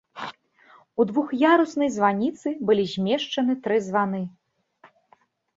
У двух'яруснай званіцы былі змешчаны тры званы.